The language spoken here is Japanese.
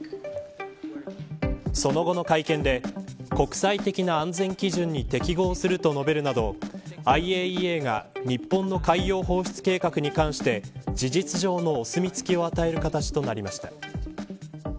その後の会見で国際的な安全基準に適合すると述べるなどＩＡＥＡが日本の海洋放出計画に関して事実上のお墨付きを与える形となりました。